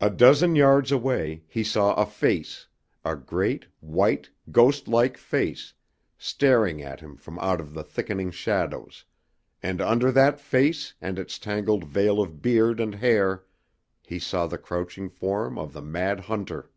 A dozen yards away he saw a face, a great, white, ghost like face, staring at him from out of the thickening shadows, and under that face and its tangled veil of beard and hair he saw the crouching form of the mad hunter!